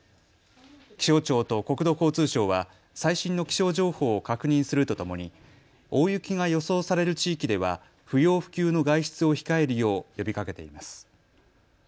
気象庁と国土交通省は最新の気象情報を確認するとともに大雪が予想される地域では不要不急の外出を控えるよう呼びかけています。